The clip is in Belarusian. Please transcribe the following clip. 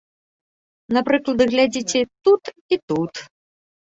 Напрыклад, глядзіце тут і тут.